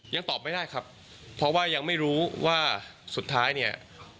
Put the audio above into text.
ยังตอบไม่ได้ครับเพราะว่ายังไม่รู้ว่าสุดท้ายเนี่ย